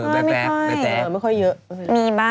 ไม่ค่อยไม่ค่อยเยอะ